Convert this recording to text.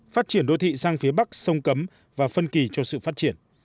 phát triển đô thị sang phía bắc sông cấm và phân kỳ cho sự phát triển